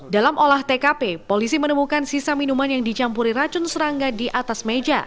dalam olah tkp polisi menemukan sisa minuman yang dicampuri racun serangga di atas meja